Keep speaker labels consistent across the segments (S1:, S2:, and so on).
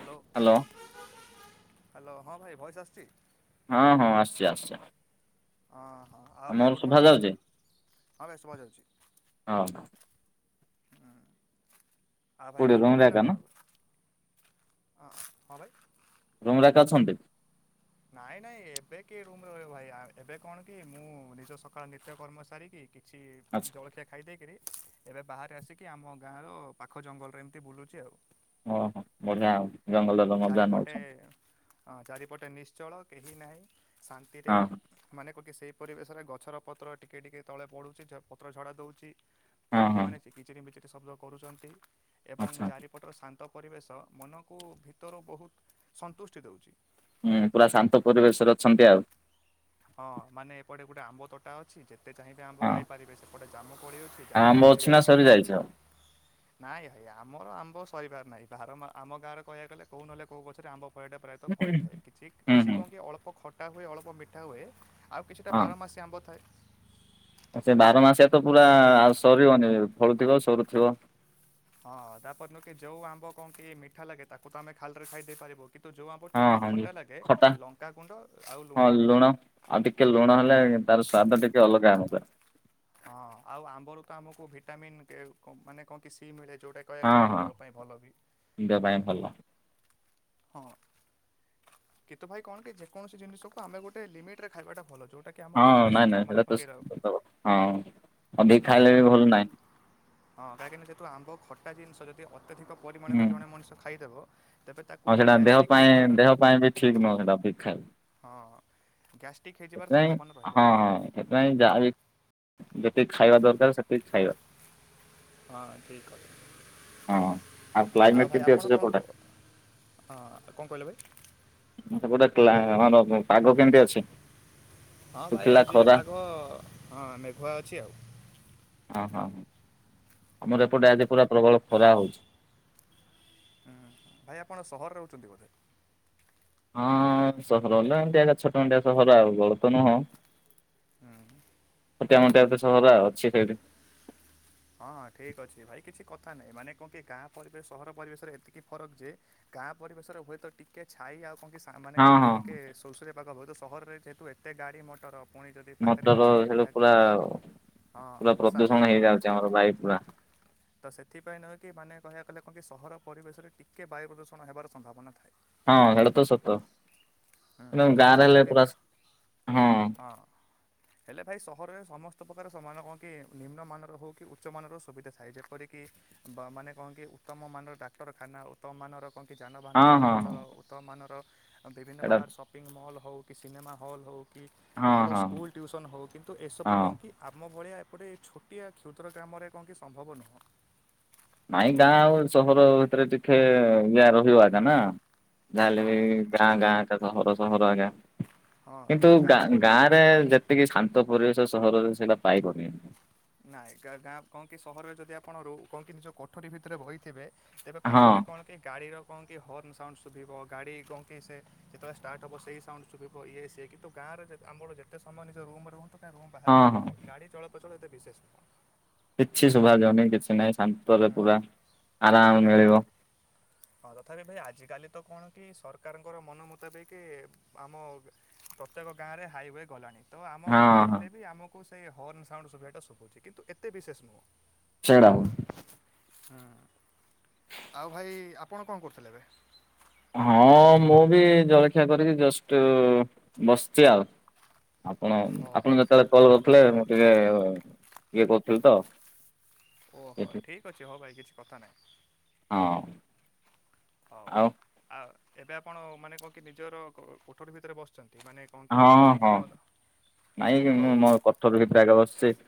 S1: Hello.
S2: Hello.
S1: Hello, ହଁ ଭାଇ, voice ଆସୁଚି?
S2: ହଁ ହଁ, ଆସୁଛି ଆସୁଛି।
S1: ହଁ ହଁ ଆଉ
S2: ଆମର
S1: ଭାଇ, ଗୁଡ଼୍
S2: ଶୁଭା
S1: ମର୍ଣ୍ଣିଂ,
S2: ଯାଉଛି
S1: ହଁ ଭାଇ ଶୁଭା ଯାଉଛି।
S2: [unintelligible]
S1: ହୁଁ, ଆଉ ଭାଇ
S2: କୋଉଠି
S1: କଣ
S2: ରୁମରେ
S1: କରୁଥିଲେ
S2: ଏକା ନା
S1: ଆପଣ ଏବେ? ହ ହଁ ଭାଇ
S2: ରୁମ୍ ରେ ଏକା ଅଛନ୍ତି?
S1: ନାଇଁ ନାଇଁ ଏବେ କିଏ ରୁମ୍ ରେ ରହିବ ଭାଇ, ଏବେ କଣ କି, ମୁଁ ନିଜ ସକାଳ ନିତ୍ୟ କର୍ମ ସାରିକି ଛି
S2: ଆଚ୍ଛା
S1: ଜଳଖିଆ ଖାଇ ଦେଇ କିରି, ଏବେ ବାହାରେ ଆସିକି ଆମ ଗାଁର ପାଖ ଜଙ୍ଗଲରେ ଏମିତି ବୁଲୁଚି ଆଉ।
S2: ଓହୋ ବଢିଆ ଆଉ, ଜଙ୍ଗଲର ମଜା
S1: ଚାରିପଟେ
S2: ନଉଚନ୍ତି।
S1: ହଁ ଚାରିପଟେ ନିଶ୍ଚଳ, କେହି ନାହିଁ, ଶାନ୍ତିରେ
S2: ହଁ
S1: ମାନେ କଣକି ସେହି ପରିବେଶରେ ଗଛର ପତ୍ର ଟିକିଏ ଟିକେ ତଳେ ପଡ଼ୁଚି, ଝ ପତ୍ର ଝଡ଼ା ଦଉଚି
S2: ହଁ ହଁ
S1: ପକ୍ଷୀମାନେ କିଚିରି ମିଚିରି ଶବ୍ଦ କରୁଚନ୍ତି ଏବଂ
S2: ଆଚ୍ଛା
S1: ଚାରି ଏପଟରେ ଶାନ୍ତ ପରିବେଶ, ମନକୁ ଭିତରୁ ବହୁତ ସନ୍ତୁଷ୍ଟି ଦେଉଚି।
S2: ହୁଁ, ପୁରା ଶାନ୍ତ ପରିବେଶ ରେ ଅଛନ୍ତି ଆଉ।
S1: ହଁ, ମାନେ ଏପଟେ ଗୋଟେ ଆମ୍ବ ତୋଟା ଅଛି, ଯେତେ ଚାହିଁବେ ଆମ୍ବ ଖାଇପାରିବେ, ସେପଟେ ଜାମୁକୋଳି ଅଛି।
S2: ଆଉ ଆମ୍ୱ
S1: ଜାମୁକୋଳି ବି
S2: ଅଛି ନା, ସରି
S1: ଖାଇପାରିବେ
S2: ଯାଇଛି ଆଉ?
S1: ନାଇଁ ଭାଇ ଆମର ଆମ୍ବ ସରିବାର ନାହିଁ, ଭାର ମା, ଆମ ଗାଁରେ କହିବାକୁ ଗଲେ, କଉ ନହେଲେ କୋଉ ଗଛରେ ଆମ୍ବ ଫଳିବାଟା ପ୍ରାୟ ତ ଫଳିଥାଏ କିଛି
S2: ହୁଁ
S1: କିଛି
S2: ହୁଁ
S1: କଣ କି ଅଳ୍ପ ଖଟା ହୁଏ ଅଳ୍ପ ମିଠା ହୁଏ ଆଉ କିଛିଟା
S2: ହଁ
S1: ବାର ମାସ ଆମ୍ବ ଥାଏ
S2: ସେ ବାର ମାସିଆ ତ ପୁରା ଆଉ ସରିବନି ଫଳୁଥିବ ସରୁଥିବ।
S1: ହଁ ତାପରେ ନୁହୁଁକି ଯୋଉ ଆମ୍ବ କଣ କି ମିଠା ଲାଗେ ତାକୁ ତ ଆମେ ଖାଲି ରେ ଖାଇ ଦେଇ ପାରିବୁ। କିନ୍ତୁ ଯଉ ଆମ୍ୱ
S2: ହଁ
S1: ଟିକିଏ
S2: ହଁ
S1: ଖଟା ଲାଗେ
S2: ଖଟା
S1: ଲଙ୍କାଗୁଣ୍ଡ ଆଉ
S2: ହଁ
S1: ଲୁଣ
S2: ଲୁଣ। ଆଉ ଟିକେ ଲୁଣ ହେଲେ ତାର ସ୍ଵାଦ ଟିକେ ଅଲଗା ହନ୍ତା।
S1: ହଁ ଆଉ ଆମ୍ବରୁ ତ ଆମକୁ ଭିଟାମିନ୍ ମାନେ କଣ କି ସି ମିଳେ ଯେଉଟାକ କହିବାକୁ
S2: ହଁ
S1: ଗଲେ ଆମ
S2: ହଁ
S1: ଦେହ ପାଇଁ ଭଲ ବି
S2: ଦେହ ପାଇଁ
S1: ହେଇଟା
S2: ଭଲ
S1: ହଁ କିନ୍ତୁ ଭାଇ କଣ କି ଯେକୌସି ଜିନିଷକୁ ଆମେ ଗୋଟେ ଲମିଟରେ ଖାଇବାଟା ଭଲ ଯଉଟା କି ଆମ
S2: ହଁ
S1: ଦେହ ପାଇଁ
S2: ନାଇଁ ନାଇଁ
S1: ସୁସ୍ଥ ମାନେ
S2: ସେଇଟା ତ
S1: କଣ କେହି ରିବ
S2: ସତ କଥା ହଁ ଅଧିକ
S1: ନହେଲେ
S2: ଖାଇଲେ ବି
S1: କଣକି
S2: ଭଲ
S1: ବିଭିନ୍ନ
S2: ନାହିଁ।
S1: ହଁ କାହିଁକିନା ଯେହେତୁ ଆମ୍ବ ଖଟା ଜିନିଷ ଯଦି ଅତ୍ୟଧିକ ପରିମାଣରେ ଜଣେ ମଣିଷ ଖାଇଦେବ ତେବେ ତାକୁ
S2: ଆଉ ସେଇଟା ଦେହ
S1: ଗ୍ୟାଷ୍ଟ୍ରିକ୍
S2: ପାଇଁ
S1: ହେଇଯିବାର
S2: ଦେହ ପାଇଁ ବି ଠିକ୍ ନୁହଁ ସେଇଟା ଭି ଖାଇ
S1: ହଁ ଗ୍ୟାଷ୍ଟିକ୍ ହେଇଯିବାର ସମ୍ଭାବନା ରହିବ
S2: ହଁ
S1: ଯେ
S2: ହଁ ସେଥିପାଇଁ ଯାହା ଯେତିକି ଖାଇବା ଦରକାର ସେତିକି ଖାଇବା।
S1: ହଁ ଠିକ୍
S2: ହଁ।
S1: କଥା
S2: କ୍ଲାଇମେଟ
S1: ଆଉ ଭାଇ
S2: କେମିତି
S1: ଆପଣ
S2: ଅଛି
S1: କଣ କ
S2: ସେପଟେ?
S1: ହଁ କଣ କହିଲ ଭାଇ?
S2: ସେପଟେ କ୍ଲା ପାଗ କେମିତି ଅଛି?
S1: ହଁ ଭାଇ
S2: ଶୁଖିଲା
S1: ଆଜି ବି
S2: ଖରା
S1: ପାଗ ହଁ ମେଘୁଆ ଅଛି ଆଉ।
S2: ହଁ ହଁ ହଁ ଆମର ଏପଟେ ଆଜି ପୁରା ପ୍ରବଳ ଖରା ହଉଛି।
S1: ହୁଁ ହୁଁ ଭାଇ ଆପଣ ସହରରେ ରହୁଛନ୍ତି ବୋଧେ?
S2: ହଁ ସହର ହେଲା ଏମତି ଆକ୍ ଛୋଟ ମଟିଆ ସହର ଆଉ ବଡ୍ ତ ନୁହଁ।
S1: ହୁଁ
S2: ଛୋଟିଆ ମୋଟିଆ ତ ସହର ଅଛି ସେଇଠି।
S1: ହଁ ହଁ ଠିକ୍ ଅଛି ଭାଇ କିଛି କଥା ନାହିଁ ମାନେ କଁ କି ଗାଁ ପରିବେଶ ସହର ପରିବେଶରେ ଏତିକି ଫରକ ଯେ ଗାଁ ପରିବେଶରେ ହୁଏତ ଟିକେ ଛାଇ ଆଉ କଙ୍କି ମାନେ
S2: ହଁ
S1: କଣ କି
S2: ହଁ
S1: ଟିକେ ସୁଲ୍ସୁଲିଆ ପାଗ ହବ ସହରରେ ଯେହେତୁ ଏତେ ଗାଡି ମଟର ପୁଣି ଯଦି
S2: ମଟର
S1: ପାଖରେ କିଛି
S2: ସେଇଠି
S1: ଫ୍ୟାଟ୍
S2: ପୁରା
S1: ହଁ ସାହି ଗଳୀ
S2: ହ ଭାଇ ପୁରା।
S1: ତ ସେଥିପାଇଁ ନୁହଁ କି ମାନେ କହିବାକୁ କଲେ କଣ କି ସହର ପରିବେଶରେ ଟିକେ ବାୟୁ ପ୍ରଦୂଷଣ ହେବାର ସମ୍ଭାବନା ଥାଏ।
S2: ହଁ ହେଟା ତ ସତ
S1: ହୁଁ
S2: ଏଣୁ
S1: କିନ୍ତୁ
S2: ଗାଁରେ
S1: ସହରରେ
S2: ହେଲେ ପୁରା
S1: ବିଭି
S2: ହଁ।
S1: ହେଲେ ଭାଇ ସହରରେ ସମସ୍ତ ପ୍ରକାର ସମାନ କଣ କି ନିମ୍ନମାନର ହଉ କି ଉ ଉଚ୍ଚ ମାନର ସୁବିଧା ଥାଏ ଯେପରିକି ବା ମାନେ କଣ କି ଉତ୍ତମ ମାନର ଡାକ୍ତରଖାନା ଉତ୍ତମ ମାନର କଁ କି ଯାନବାହାନ
S2: ହଁ ହଁ
S1: ଚଳପ୍ରଚଳ
S2: ହଁ
S1: ଉତ୍ତମମାନର ବିଭିନ୍ନ
S2: ଏଇଟା
S1: ପ୍ରକାର ସ ସପିଙ୍ଗ ମଲ୍ ହଉ କି ସିନେମା ହଲ୍ ହଉ କି
S2: ହଁ
S1: ଭଲ
S2: ହଁ
S1: ସ୍କୁଲ୍ ଟ୍ୟୁସନ୍ ହଉ କିନ୍ତୁ ଏସବୁ
S2: ହଁ
S1: କଣ କି ଆମ ଭଳିଆ ଏପଟେ ଛୋଟିଆ କ୍ଷୁଦ୍ର ଗ୍ରାମରେ କଣ କି ସମ୍ଭବ ନୁହଁ।
S2: ନାଇଁ ଗାଁ ଆଉ ସହର ଭିତରେ ଟିକେ ଇଆ ରହିବ ଆକ
S1: ହୁଁ
S2: ନା ଯାହାହେଲେ ବି
S1: ହଁ
S2: ଗାଁ ଗାଁ ଆକା ସହର ସହର ଆକା କିନ୍ତୁ ଗାଁ ଗାଁ ରେ ଯେତେ ଟିକେ ଶାନ୍ତ ପରିବେଶ ସହରରେ ସେଇଟା ପାଇବନି।
S1: ନାଇଁ ଗା ଗାଁ କନ୍ କିି ସହରରେ ଯଦି ଆପଣ ରୁ କନ୍ କି ନିଜ କୋଠରୀ ଭିତରେ ବଇଥିବେ ତେବେ
S2: ହଁ
S1: ପାଖରେ କଣ କି ଗାଡ଼ିର କନ୍ କି ହର୍ଣ୍ଣ ସାଉଣ୍ଡ ଶୁଭିବ ଗାଡ଼ି କନ୍ କି ସେ ଯେତେବେଳେ ଷ୍ଟାର୍ଟ ହବ ସେଇ ସାଉଣ୍ଡୁ ସୁଭିବ ଇଏ ସିଏ କିନ୍ତୁ ଗାଁରେ ଯେତେ ଆମର ଯେତେ ସମୟ ନିଜ ରୁମ ରୁହନ୍ତୁ ବା ରୁମ୍ ବାହାରେ
S2: ହଁ ହଁ
S1: ରୁହନ୍ତୁ ଗାଡି ଚଳପ୍ରଚଳ ଏତେ ବିଶେଷ
S2: କିଛି ଶୁଭାଯାଉନି କିଛି ନାହିଁ ଶାନ୍ତରେ ପୁରା
S1: ତଥାପି
S2: ଆରାମ
S1: ଭାଇ ଆ
S2: ମିଳିବ।
S1: ହଁ ତଥାପି ଭାଇ ଆଜିକାଲି ତ କଣ କି ସରକାରଙ୍କର ମନ ମୁତାବିକ ଆମ ପ୍ରତ୍ୟକ ଗାଁ ରେ ହାଇୱେ ଗଲାଣି। ତ ଆମ
S2: ହଁ
S1: ଗାଁ
S2: ହଁ
S1: ହେଲେ ବି ଆମକୁ ସେଇ ହର୍ଣ୍ଣ ସାଉଣ୍ଡ ଶୁଭିବା ଟା ଶୁଭୁଛି କିନ୍ତୁ ଏତେ ବିଶେଷ ନୁହଁ।
S2: [unintelligible]
S1: ହଁ ଆଉ ଭାଇ ଆପଣ କଣ କରୁଥିଲେ ଏବେ?
S2: ହଁ ମୁଁ ବି ଜଳଖିଆ କରିକି ଜଷ୍ଟ ବସିଛି ଆଉ। ଆପଣ,
S1: ଓହୋ
S2: ଆପଣ ଯେତେବେଳେ କଲ୍ କରୁଥିଲେ ମୁଁ ଟିକେ ଇଏ କରୁଥିଲି ତ।
S1: ଓହୋ
S2: ଏଠି
S1: ଠିକ୍ ଅଛି ହଉ ଭାଇ କିଛି କଥା ନାହିଁ।
S2: ହଁ।
S1: ହଉ
S2: ଆଉ
S1: ଆ ଏବେ ଆପଣ ମାନେ କନ କି ନିଜର କୋଠରୀ ଭିତରେ ବସିଚନ୍ତି ମାନେ କଣ କି
S2: ହଁ,
S1: କିଛି
S2: ହଁ
S1: କାମ ହଉ
S2: ନାଇଁ
S1: ହଉ
S2: ମୁଁ ମୋ
S1: ହୁଁ
S2: କଠୋରି ଭିତରେ ଆଗେ ବସିଚି।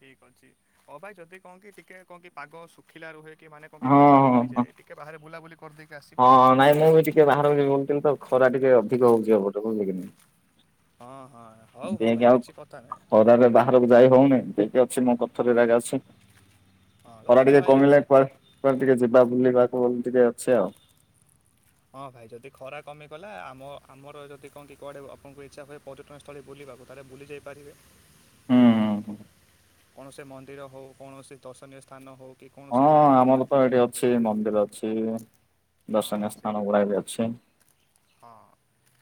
S1: ଠିକ୍ ଅଛି ହ ଭାଇ ଯଦି କନ୍ କି ଟିକେ କନ୍ କି ପାଗ ଶୁଖିଲା ରୁହେ କି ମାନେ
S2: ହଁ
S1: ଖରା
S2: ହଁ ହଁ।
S1: କମିଯାଆ ଟିକେ ବାହାରେ ବୁଲାବୁଲି କରିଦେଇକି ଆସିବେ
S2: ହଁ
S1: ଆଉ।
S2: ନାଇଁ ମୁଁ ବି ଟିକେ ବାହାରକୁ ଯି ବୁଥିଲି ତ ଖରା ଟିକେ ଅଧିକ ହଉଛି ଅପଟକୁ ବୁଝିଲ କିି?
S1: ହଁ, ହଁ ହଉ, ହଉ ଭାଇ
S2: ଆଉ
S1: କିଛି କଥା ନାହିଁ।
S2: ଖରାରେ ବାହାରକୁ ଯାଇ ହଉନି ଟିକେ ଅଛି ମୋ କଥରେ ହେଲେ ଆକା ଅଛି
S1: ହଁ
S2: ଖରା
S1: ତଥାପି
S2: ଟିକେ
S1: ଭାଇ
S2: କମିଲେ
S1: ଏ-
S2: କୁଆଡେ କୁଆଡ଼େ ଟିକେ ଯିବା ବୁଲିବାକୁ ବୋଲି ଟିକେ ଅଛି ଆଉ।
S1: ହଁ ଭାଇ ଯଦି ଖରା କମିଗଲା ଆମ ଆମର ଯଦି କଣକି କରେ ଆପଙ୍ଗୁ ଇଚ୍ଛା ହୁଏ ପର୍ଯ୍ୟଟନସ୍ଥଳୀ ବୁଲିବାକୁ ତା ହେଲେ ବୁଲି ଯାଇପାରିବେ।
S2: ହୁଁ।
S1: କୌଣସି ମନ୍ଦିର ହଉ କୌଣସି ଦର୍ଶନୀୟ ସ୍ଥାନ ହଉ କି କୌଣସି ଗୋଟେ
S2: ମୁଁ ପା ଏଠି ଅଛି ମନ୍ଦିର ଅଛି
S1: ହଁ
S2: ଦର୍ଶନୀୟ ସ୍ଥାନ
S1: ସେଇଠି
S2: ଗୁଡ଼ା ବି ଅଛି।
S1: ହଁ।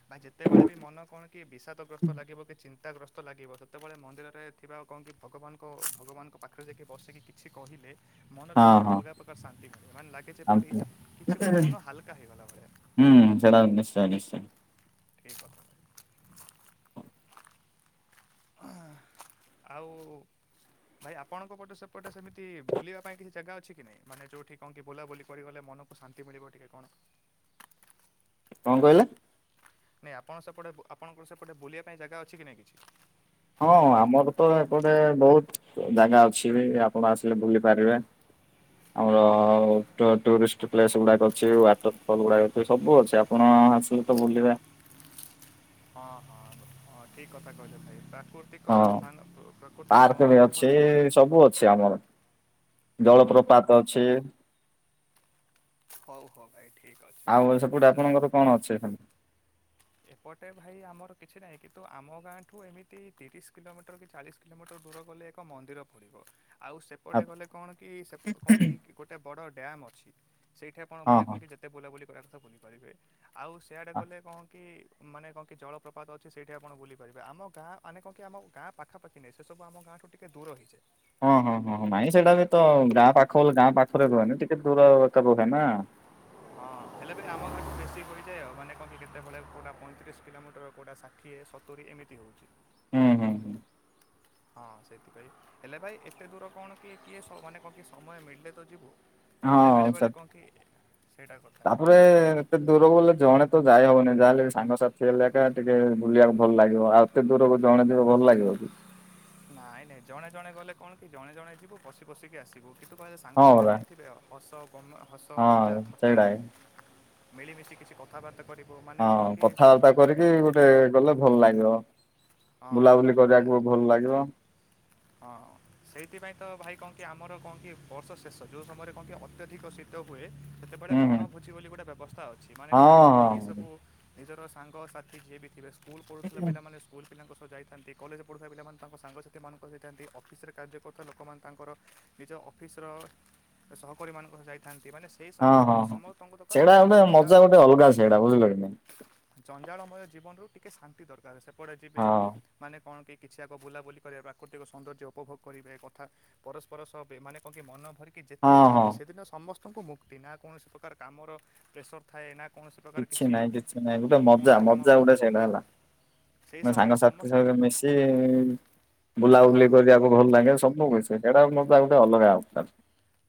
S1: ବା ଯେତେବେଳେ ବି ମନ କଣ କି ବିଷାଦଗ୍ରସ୍ତ ଲାଗିବ କି ଚିନ୍ତାଗ୍ରସ୍ତ ଲାଗିବ ସେତେବେଳେ ମନ୍ଦିରରେ ଥିବା ଆଉ କଣ କି ଭଗବାନଙ୍କ, ଭଗବାନଙ୍କ ପାଖରେ ଯାଇକି ବସିକି କିଛି କହିଲେ ମନରେ
S2: ହଁ
S1: ଗୋଟେ
S2: ହଁ
S1: ଅଲଗା ପ୍ରକାର ଶାନ୍ତି ମିଳେ ମାନେ ଲାଗେ
S2: ଆମ୍
S1: ଯେପରି
S2: ହୁଁ
S1: କିଛି ଗୋଟେ ମନ ହାଲକା ହେଇଗଲା ଭଳିଆ।
S2: ହୁଁ ସେଇଡ଼ା ନିଶ୍ଚୟେ, ନିଶ୍ଚୟେ।
S1: କି [unintelligible] ଆଁ ଆଉ। ଭାଇ ଆପଣଙ୍କ ପଟେ ସେପଟେ ସେମିତି ବୁଲିବା ପାଇଁ କିଛି ଜାଗା ଅଛି କି ନାଇଁ ମାନେ ଯୋଉଠି କଣ କିି ବୁଲା ବୁ ଲି କରି ଗଲେ ମନ ଶାନ୍ତି ମିଳିବ ଟିକେ କଣ?
S2: କଣ କହିଲେ?
S1: ନାହିଁ ଆପଣ ସେପଟେ, ଆପଣଙ୍କର ସେପଟେ ବୁଲିବା ପାଇଁ ଜାଗା ଅଛି କି ନାହିଁ କିଛି।
S2: ହଁ ଆମର ତ ଏପଟେ ବହୁତ ଜାଗା ‌ଅଛି ବି ଆପଣ ଆସିଲେ ବୁଲି ପାରିବେ। ଆମର ଟୁ ଟୁରିଷ୍ଟ ପ୍ଲେସ୍ ଗୁଡାକ ଅଛି ୱାଟର ଫଲ ଗୁଡ଼ାକ ଅଛି ସବୁ ଅଛି। କଣ ହାସିଲେ ତ ବୁଲିବେ।
S1: ହଁ, ହଁ, ଅଁ ଠିକ କଥା କହିଲ ଭାଇ ତାକୁ
S2: ହଁ ପାର୍କ ବି
S1: ପରା
S2: ଅଛି ସବୁ ଅଛି ଆମର।
S1: ହଁ ହଁ
S2: ଜଳପ୍ରପାତ ଅଛି।
S1: ହଉ, ହଉ ଭାଇ ଠିକ
S2: ଆଉ ସେପଟେ
S1: ଅଛି।
S2: ଆପଣଙ୍କର କଣ ଅଛି ଏଇନା?
S1: ଏପଟେ ଭାଇ ଆମର କିଛି ନାହିଁ କିନ୍ତୁ ଆମ ଗାଁ ଠୁ ଏମିତି ତିରିଶି କିଲୋମିଟର କି ଚାଳିଶି କିଲୋମିଟର ଦୂର ଗଲେ ଏକ ମନ୍ଦିର ପଡ଼ିବ ଆଉ ସେ
S2: ଆ-
S1: ସେପଟେ ଗଲେ କଣ କି ସେ କଣ କି ଗୋଟେ ବଡ଼ ଡ୍ୟାମ୍ ଅଛି ସେଇଠେ ଆପଣ
S2: ହଁ
S1: ମାନେ କଣ
S2: ହଁ
S1: କି? ଯେତେ ବୁଲାବୁଲି କରିବା କଥା ବୁଲିପାରିବେ ଆଉ ସେଆଡ଼େ
S2: ଆ-
S1: ଗଲେ କଣ ମାନେ କଣ କି ଜଳପ୍ରପାତ ଅଛି ସେଇଠି ଆପଣ ବୁଲି ପାରିବେ ଆମ ଗାଁ ମାନେ କଣ କି ଆମ ଗାଁ ପାଖାପାଖି ନାଇଁ ସେ ସବୁ ଆମ ଗାଁଠୁ ଟିକେ ଦୂର ହୋଇଯାଏ।
S2: ହଁ ହଁ ହଁ ନାଇଁ ସେଇଟା ବି ତ ଗାଁ ପାଖ ଲି ଗାଁ ପାଖରେ ରୁହେନି ଟିକେ ଦୂର ରୁହେ ନା।
S1: ହଁ ହେଲେ ବି ଆମର ବେଶି ହୋଇଯାଏ ମାନେ କଣ କେତବଳେ କୋଉଟା ପଇଁତିରିଶି କିଲୋମିଟର କେଉଟା ଷା ଠିଏ ସତୁରୀ ଏମିତି ହୋଉଚି।
S2: ହୁଁ ହୁଁ।
S1: ହଁ ସେଥିପାଇଁ ହେଲେ ଭାଇ ଏତେ ଦୂର କଣ କି କିଏ ମାନେ କଣ କି ସମୟ ମିଳିଲେ ତ ଯିବୁ। ନ ହେଲେ
S2: ହଁ
S1: ବେଳେବେଳେ କଣ କି ସେଇଟା କଥା।
S2: ଫେର ଏତେ ଦୂରକୁ ଗଲେ ଜଣେ ତ ଯାଇ ହବନି ଯାହେଲେ ସାଙ୍ଗସାଥି ହେଲେ ଏକା ଟିକେ ବୁଲିବାକୁ ଭଲ ଲାଗିବ। ଆଉ ଏତେ ଦୂରକୁ ଜଣେ ଯିବ ଭଲ ଲାଗିବ?
S1: ନାଇଁ ନାଇଁ ଜଣେ ଜଣେ ଗଲେ କଣ କି ଜଣେ ଜଣେ ଯିବୁ ବସିବୁ ବସିକି ଆସିବୁ କିନ୍ତୁ କଣ ହୁଏ
S2: ହଁ ପରା
S1: ସାଙ୍ଗସାଥିମାନେ ଥିବେ ହସ ଗମ ହସ ମଜା
S2: ହଁ
S1: ଥଟା
S2: ସେଇଟା ହିଁ
S1: ମିଳିମିଶି କିଛି କ ଥାବାର୍ତ୍ତା କରିବୁ ମା
S2: ହଁ କଥାବାର୍ତ୍ତା କରିକି ଗୋଟେ କଲେ ଭଲ ଲାଗିବ।
S1: ହଁ
S2: ବୁଲାବୁଲି
S1: ତା
S2: କରିବାକୁ ଭଲ ଲାଗିବ।
S1: ହଁ ସେଇଥିପାଇଁ ତ ଭାଇ କହନ୍ତି ଆମର କଣ କି ବର୍ଷ ଶେଷ ଯୋଉ ସମୟରେ କଣ କି ଅତ୍ୟଧିକ ଶୀ ଶୀତ ହୁଏ ସେତେବେଳେ
S2: ହୁଁ ହୁଁ
S1: ବଣଭୋଜି ବୋଲି ଗୋଟେ ବ୍ୟବସ୍ଥା ଅଛି। ମାନେ
S2: ହଁ
S1: କଣ କି ଯେତିକି
S2: ହଁ।
S1: ସବୁ ନିଜର ସାଙ୍ଗସାଥି ଯିଏ ବି ଥିବେ ସ୍କୁଲ ପଳଉଥିଲେ ପିଲାମାନେ ସ୍କୁଲ ପିଲାଙ୍କ ସହ ଯାଇଥାନ୍ତି। କଲେଜ୍ ପଢ଼ୁଥିବା ପିଲାମାନେ ତାଙ୍କ ସାଙ୍ଗ ସାଥିମାନଙ୍କୁ ଯାଇଥାନ୍ତି ଅଫିସରେ କାର୍ଯ୍ୟ କରୁଥିବା ଲୋକମାନେ ତାଙ୍କର ନିଜ ଅଫିସର ସହକର୍ମୀ ମାନଙ୍କ ସହ ଯାଇଥାନ୍ତି ‌। ମାନେ ସ ସେହି
S2: ହଁ
S1: ସମୟରେ
S2: ହଁ
S1: କହନ୍ତି
S2: ହଁ
S1: ସମସ୍ତଙ୍କ ଦରକାର
S2: ସେଇଟା
S1: କଣ କି
S2: ଗୋଟେ
S1: ଜଞ୍ଜା
S2: ମଜା ଗୋଟେ ଅଲଗା ସେଇଟା ବୁଝିଲ କି ନାଇଁ
S1: ଜଞ୍ଜାଳମୟ ଜୀବନରୁ ଟିକେ ଶାନ୍ତି ଦରକାର। ସେପଟେ ଯିବେ
S2: ହଁ
S1: ମାନେ କଣ କି? କିଛି ଆଗ ବୁଲାବୁଲି କରେଇବା ପ୍ରାକୃତିକ ସୌନ୍ଦର୍ଯ୍ୟ ଉପଭୋଗ କରିବେ। କଥା ପରସ୍ପର ସହ ବେ ମାନେ କଣ କି ମନ ଭରିିକି କି ଯେତେ
S2: ହଁ
S1: ଚାହିଁବେ
S2: ହଁ।
S1: ସେଦିନ ସମସ୍ତଙ୍କୁ ମୁକ୍ତି। ନା କୌଣସି ପ୍ରକାର କାମର ପ୍ରେସର
S2: କିଛି ନାଇଁ କିଛି ନାଇଁ ଗୋଟେ ମଜ୍ଜା
S1: କୌଣସି କାମ
S2: ମଜ୍ଜା ଗୋଟେ ସେଇଟା ହେଲା।
S1: ସେହି
S2: ମାନେ
S1: ସମୟରେ
S2: ସାଙ୍ଗସାଥି
S1: ସମସ୍ତେ
S2: ସହିତ
S1: ଦୁଃଖ
S2: ମିଶି ବୁଲାବୁଲି
S1: ହଁ
S2: କରିବାକୁ ଭଲ ଲାଗେ ସବୁ ମିଶେ। ହେଡା ମୋ ପାଇଁ ଗୋଟେ ଅଲଗା ପ୍ରକାର।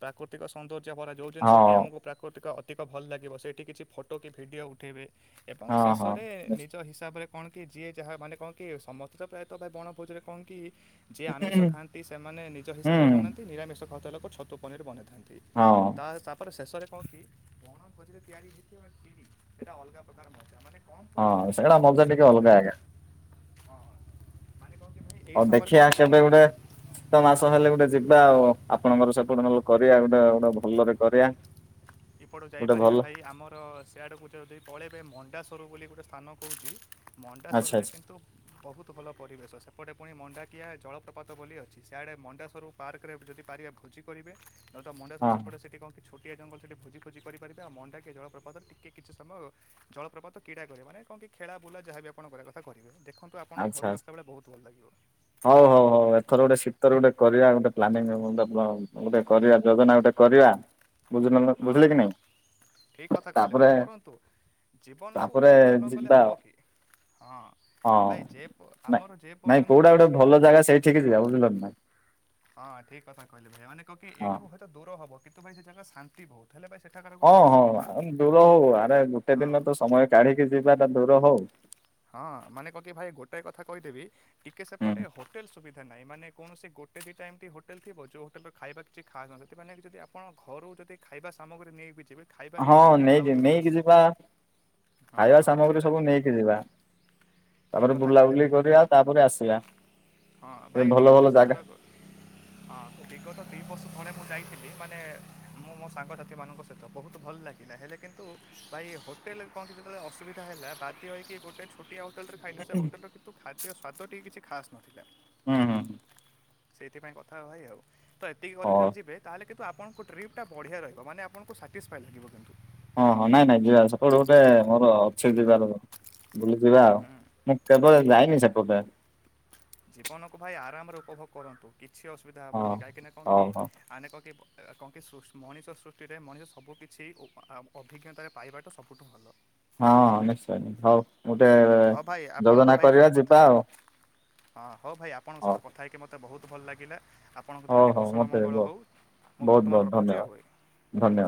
S1: ପ୍ରକୃତିକ ସୌନ୍ଦର୍ଯ୍ୟ ଭରା। ଯଉ ଜିନିଷକି ଆମକୁ ପ୍ରାକୃତିକ ଅଧିକ ଭଲ ଲାଗିବ। ସେଇଠି କିଛି ଫୋଟୋ କି ଭିଡ଼ିଓ ଉଠାଇବେ। ଏବଂ
S2: ହଁ ହଁ
S1: ଶେଷରେ ନିଜ ହିସାବରେ କଣ କି ଯିଏ ଯାହା ମାନେ କଣ କି ସମସ୍ତେ ତ ପ୍ରାୟ ତ ବଣଭୋଜରେ କଣ କି ଯିଏ ଆମିଷ ଖାଆନ୍ତି ସେମାନେ ନିଜ
S2: ହୁଁ
S1: ହିସାବରେ ବନାନ୍ତି। ନିରାମିଷ ଖାଉଥିବା ଲୋକ ଛତୁ ପନିର ବନେଇଥାନ୍ତି।
S2: ହଁ।
S1: ତା ତାପରେ ଶେଷରେ କଣ କି? ବଣ ଭୋଜିରେ ତିଆରି ହୋଇଇଥିବା ଖିରି ସେଇଟା ଅଲଗା ପ୍ରକାର ମଜା। ମାନେ କମ୍
S2: ହଁ
S1: ପରିମାଣରେ
S2: ସେଇଟା
S1: ହେଇଥିବ
S2: ମଜା
S1: କିନ୍ତୁ
S2: ଟିକେ
S1: ସମସ୍ତେ
S2: ଅଲଗା ଆଜ୍ଞା
S1: କହନ୍ତି। ହଁ ମାନେ କଣ କି ଭାଇ ଏଇ
S2: ହୋଉ
S1: ସମୟରେ କ'ଣ
S2: ଦେଖିବା
S1: କି ସମ
S2: କେବେ ଗୋଟେ ଗତ ମାସ ହେଲେ ଗୋଟେ ଯିବା ଆଉ। ଆପଣଙ୍କର ସେପଟେ ନହେଲେ କରିବା ଗୋଟେ। ଗୋଟେ ଭଲରେ କରିବା।
S1: [inaudible] ଏପଟୁ
S2: ଗୋଟେ
S1: ଯାଇପାରିବେ
S2: ଭଲ
S1: ଭାଇ ଆମର ସେଆଡ଼କୁ ଯଦି ପଳେଇବେ ମଣ୍ଡାସ୍ୱର ବୋଲି ଗୋଟେ ସ୍ଥାନ କୋହୁଚି।
S2: ଆଚ୍ଛା
S1: ମଣ୍ଡାସୁରରେ
S2: ଆଚ୍ଛା
S1: କିନ୍ତୁ ବୋହୁତ ଭଲ ପରିବେଶ। ସେପଟେ ପୁଣି ମଣ୍ଡାଖିଆ ଜଳପ୍ରପାତ ବୋଲି ଅଛି। ସାଡ଼େ ମଣ୍ଡା ସ୍ୱରୂପ ପାର୍କ ରେ ଯଦି ପାରିବେ ଭୋଜି କରିବେ। ନହଲେ ତ ମଣ୍ଡାସ୍ୱର
S2: ହଁ
S1: ସେପଟେ ସେଠି କଣ କି ଛୋଟିଆ ଜଙ୍ଗଲ ସେଠି ଭୋଜି ଫୋଜି କରିପାରିବେ। ଆଉ ମଣ୍ଡାଖିଆ ଜଳପ୍ରପାତରେ ଟିକେ କିଛି ସମୟ ଜଳପ୍ରପାତ କ୍ରୀଡ଼ା କରିବେ। ମାନେ କଣ କି ଖେଳା ବୁଲା ଯାହାବି ଆପଣ କରିବା କଥା କରିବେ। ଦେଖନ୍ତୁ ଆପଣଙ୍କ
S2: ଆଚ୍ଛା
S1: ଘରକୁ
S2: ଆଚ୍ଛା
S1: ଆସିଲ ବେଳେ ବହୁତ ଭଲ ଲାଗିବ।
S2: ହଉ, ହଉ, ହଉ, ଏଥର ଗୋଟେ ଶୀତରେ ଗୋଟେ କରିବା ଗୋଟେ ପ୍ଲାନିଂ ଗୋଟେ କରିବା ଯୋଜନା ଗୋଟେ କରିବା। ବୁଝ ବୁଝିଲେ କି ନାଇଁ।
S1: ଠିକ କଥା କହିଲେ
S2: ତାପରେ
S1: ଭାଇ କରନ୍ତୁ। ଜୀବନକୁ
S2: ତାପରେ
S1: ଉପଭୋଗ ନ କଲେ
S2: ଯିବା
S1: ହବ କି। ହଁ।,
S2: ଆଉ ହଁ
S1: ଭାଇ ଯେ,
S2: ନାଇଁ
S1: ଆମର ଯେ
S2: ନାଇଁ
S1: ପର୍ଯ୍ୟନ୍ତ
S2: କୋଉଟା ଗୋଟେ
S1: ଅଛି
S2: ଭଲ ଜାଗା ସେଇଠିକି ଯିବା ବୁଝିଲ ନା।
S1: ହଁ ଠିକ କଥା କହିଲେ ଭାଇ, ମାନେ କଣ କି
S2: ହଁ
S1: ଏଇଠୁ ହୁଏତ ଦୂର ହବ। କିନ୍ତୁ ଭାଇ ସେ ଜାଗା ଶାନ୍ତି ବହୁତ। ହେଲେ ଭାଇ ସେଠାକାର
S2: ହଁ
S1: ଗୋଟେ
S2: ହଁ
S1: ଅସୁବିଧା
S2: ଆ ଦୂର ହଉ, ଆରେ ଗୋଟେ
S1: ହଁ
S2: ଦିନ ତ ସମୟ କାଢିକି ଯିବା ତ ଦୂର ହଉ।
S1: ହଁ ମାନେ କଣକି ଭାଇ ଗୋଟାଏ କଥା କହିଦେବି। ଟିକେ
S2: ହୁଁ।
S1: ସେପଟେ ହୋଟେଲ ସୁବିଧା ଧା ନାହିଁ, ମାନେ କୌଣସି ଗୋଟେ ଦିଟା ଏମିତି ହୋଟେଲ ଥିବ, ଯେଉଁ ହୋଟେଲ ଖାଇବା କିଛି ଖାସ ନ ଥିବ। ସେଥି ପାଇଁ ଯଦି ଆପଣ ଘରୁ ଯଦି ଖାଇବା ସାମଗ୍ରୀ ନେଇକି ଯିବେ। ଖାଇବା
S2: ହଁ,
S1: ଯିବେ ତ
S2: ନେଇକି
S1: ଆହୁରି ଭଲ
S2: ନେଇକି ଯିବା।
S1: ହଁ
S2: ଖାଇବା ସାମଗ୍ରୀ
S1: ସେଇଟା
S2: ସବୁ ନେଇକି ଯିବା।
S1: ଠିକ୍
S2: ତାପରେ
S1: କଥା କହିଲେ
S2: ବୁଲାବୁଲି
S1: ଭାଇ
S2: କରିବା ତାପରେ ଆସିବା।
S1: ହଁ
S2: ଫେର୍
S1: ଭାଇ ଟିକେ
S2: ଭଲ
S1: ଖାଲି
S2: ଭଲ ଜାଗା
S1: [unintelligible] ହଁ ବିଗତ ଦି ବର୍ଷ ତଳେ ମୁଁ ଯାଇଥିଲି, ମାନେ ମୁଁ ମୋ ସାଙ୍ଗସାଥିୀ ମାନଙ୍କ ସହିତ। ବହୁତ ଭଲ ଲାଗିଲା ହେଲେ କିନ୍ତୁ ଭାଇ ହୋଟେଲରେ କଣ କି ଯେତେବେଳେ ଅସୁବିଧା ହେଲା, ବାଧ୍ୟ ହେଇକି। ଗୋଟଏ ଛୋଟିଆ ହୋଟେଲ ରେ ଖାଇଲୁ। ସେ ହୋଟେଲର ଖାଦ୍ୟ ସ୍ୱାଦ ଟିକେ କିଛି ଖାସ୍ ନଥିଲା।
S2: ହୁଁ, ହୁଁ।
S1: ସେଇଥିପାଇଁ କଥା ଭାଇ ଆଉ, ତ ଏତିକି ଘରୁ
S2: ହଁ
S1: ଯେତେବେଳେ ଯିବେ ତାହେଲେ କିନ୍ତୁ ଆପଣଙ୍କ ଟ୍ରିପଟା ବଢ଼ିଆ ରହିବ। ମାନେ ଆପଣଙ୍କୁ ସର୍ଟିସଫାଏ ଲାଗିବ କିନ୍ତୁ।
S2: ହଁ ହଁ ନାଇଁ ନାଇଁ ଯିବା। ସେପଟେ ଗୋଟେ ମୋର ଅଛି ଯିବାର, ବୁଲି ଯିବା ଆଉ।
S1: ହୁଁ
S2: ମୁଁ କେବେ ଯାଇନି ସେପଟେ।
S1: ଜୀବନକୁ ଭାଇ ଆରାମରେ ଉପଭୋଗ କରନ୍ତୁ କିଛି ଅସୁବିଧା
S2: ହଁ
S1: ହେବନି। କାହିଁକିନା କଣ
S2: ହଉ
S1: କି
S2: ହଉ
S1: ଆମେ କଣ କି କଣ କି ମଣିଷ ସୃଷ୍ଟିରେ ମଣିଷ ସବୁକିଛି ଅଭିଜ୍ଞତାରେ ପାଇବା ତ ସବୁଠୁ ଭଲ।
S2: ହଁଁ ନିଶ୍ଚୟ, ହଉ। ଗୋଟେ
S1: ହଁ ଭାଇ ଆପଣଙ୍କ
S2: ଯୋଜନା
S1: ଭାଇଙ୍କ
S2: କରିବା
S1: ସହିତ କଥା
S2: ଯିବା ଆଉ
S1: ହେଇକ ହଁ ହଁ ଭାଇ ଆପଣଙ୍କ
S2: ହଉ
S1: ସହିତ କଥା ହେଇକି ମୋତେ ବହୁତ ଭଲ ଲାଗିଲା। ଆପଣଙ୍କ ଦିନ
S2: ହଉ
S1: ଟିକେ
S2: ହଉ
S1: କୁଶଳ
S2: ମତେ
S1: ମଙ୍ଗଳ
S2: ବହୁତ
S1: ହେଉ ମୁଁ
S2: ବହୁତ
S1: ବର୍ତ୍ତମାନ ରଖୁଛି
S2: ଧନ୍ୟବାଦ
S1: ଆଉ ଏ ହଁ
S2: ଧନ୍ୟବାଦ।